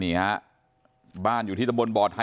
นี่ฮะบ้านอยู่ที่ตะบนบ่อไทย